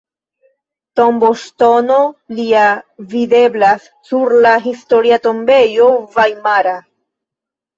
Tomboŝtono lia videblas sur la Historia tombejo vajmara.